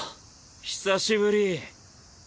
久しぶり。